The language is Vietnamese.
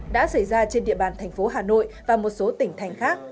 đã xảy ra trên địa bàn thành phố hà nội và một số tỉnh thành khác